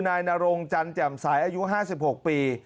นายนรงจันแจ่มสายอายุ๕๖ปี